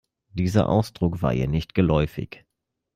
Dieser Ausdruck war ihr nicht geläufig.